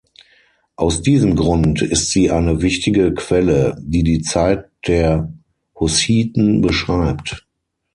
Aus diesem Grund ist sie eine wichtige Quelle, die die Zeit der Hussiten beschreibt.